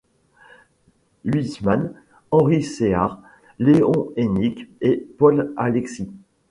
Huysmans, Henry Céard, Léon Hennique et Paul Alexis.